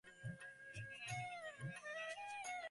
তাই কারা অ্যাসিড নিক্ষেপ করল—এ ব্যাপারে কোনো ধারণা করতে পারছেন না।